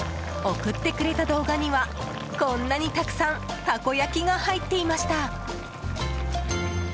送ってくれた動画にはこんなにたくさんたこ焼きが入っていました。